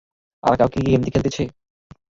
আর কেউ কি গেমটি খেলতেছে?